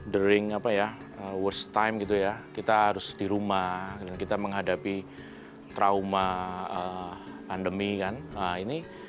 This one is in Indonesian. dering apa ya worst time gitu ya kita harus di rumah dan kita menghadapi trauma pandemi kan ini